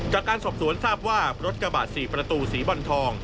จากการสอบสวนทราบว่ารถกระบะ๔ประตูสีบอลทอง